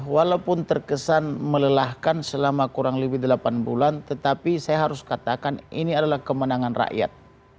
walaupun terkesan melelahkan selama kurang lebih delapan bulan tetapi saya harus katakan ini adalah kemenangan rakyat